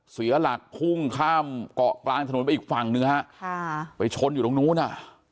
เสียหลักพุ่งข้ามเกาะกลางถนนไปอีกฝั่งหนึ่งฮะค่ะไปชนอยู่ตรงนู้นอ่ะ